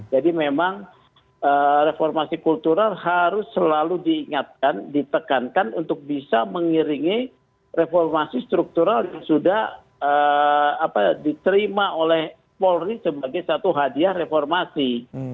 jadi memang reformasi kultural harus selalu diingatkan ditekankan untuk bisa mengiringi reformasi struktural yang sudah diterima oleh polri sebagai satu hadiah reformasi